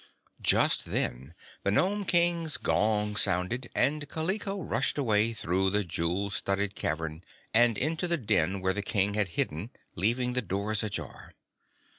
Just then the Nome King's gong sounded, and Kaliko rushed away through the jewel studded cavern and into the den where the King had hidden, leaving the doors ajar.